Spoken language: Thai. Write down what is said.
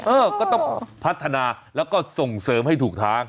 เออก็ต้องพัฒนาแล้วก็ส่งเสริมให้ถูกทาง